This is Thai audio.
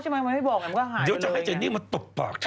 เดี๋ยวจะให้เจนนี่มาตกบอกเถอะ